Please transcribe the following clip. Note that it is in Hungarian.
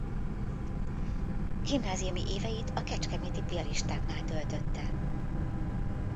Gimnáziumi éveit a kecskeméti piaristáknál töltötte.